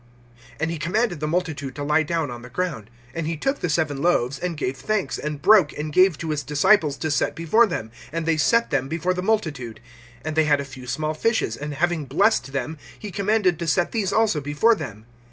(6)And he commanded the multitude to lie down on the ground. And he took the seven loaves, and gave thanks, and broke, and gave to his disciples to set before them; and they set them before the multitude. (7)And they had a few small fishes; and having blessed them, he commanded to set these also before them.